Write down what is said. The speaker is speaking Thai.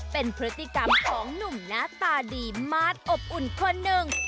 เป็นพฤติกรรมของหนุ่มหน้าตาดีมาสอบอุ่นคนหนึ่ง